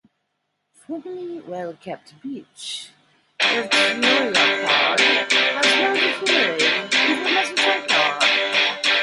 Formerly well kept beach at Vtoraya Pad has now deteriorated into a messy junkyard.